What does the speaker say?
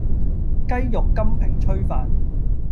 雞肉金平炊飯